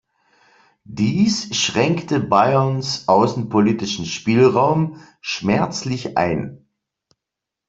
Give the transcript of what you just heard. Dies schränkte Bayerns außenpolitischen Spielraum schmerzlich ein.